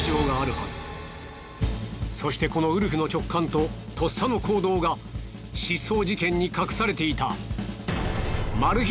そしてこのウルフの直感ととっさの行動が失踪事件に隠されていたマル秘